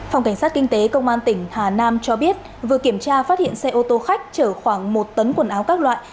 phòng cảnh sát kinh tế công an tỉnh hà nam cho biết vừa kiểm tra phát hiện xe ô tô khách chở khoảng một tấn quần áo các loại